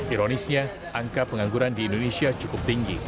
ironisnya angka pengangguran di indonesia cukup tinggi